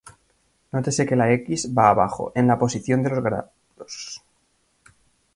Nótese que la "x" va abajo, en la posición de los grados.